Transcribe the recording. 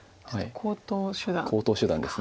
高等手段です。